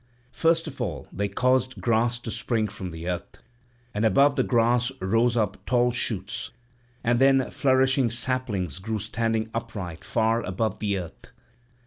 First of all they caused grass to spring from the earth; and above the grass rose up tall shoots, and then flourishing saplings grew standing upright far above the earth.